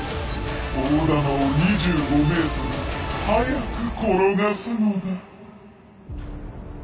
大玉を２５ｍ速く転がすのだ！